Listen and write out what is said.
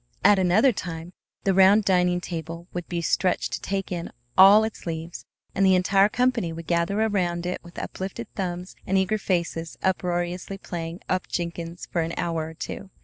At another time the round dining table would be stretched to take in all its leaves, and the entire company would gather around it with uplifted thumbs and eager faces unroariously playing "up Jenkins" for an hour or two.